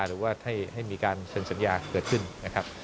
หรือว่าให้มีการเซ็นสัญญาเกิดขึ้นนะครับ